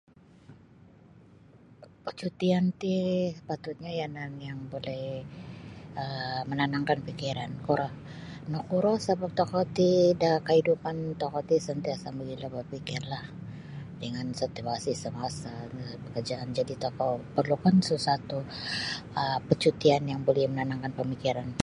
Parcutian ti sepatutnya yanan yang boleh um mananangkan fikiran kuro nakuro sabab tokou ti da kaidupan tokou ti santiasa mogilo berfikir lah dangan situasi semasa dangan pekerjaan jadi tokou perlukan sesuatu um pacutian yang buli mananangkan pamikiran.